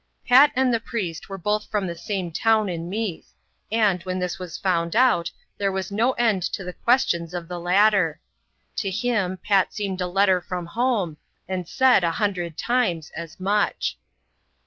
Pat and the priest were both from the same town in Meath ; and, when this was found out, there was no end to the ques" tions of the latter. To him, Pat seemed a letter from home, and said a hundred times as much.